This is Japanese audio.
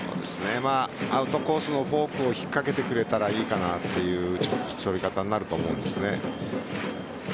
アウトコースのフォークを引っ掛けてくれたらいいかなという打ち取り方になると思うんですね。